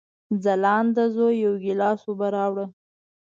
ځلانده زویه، یو ګیلاس اوبه راوړه!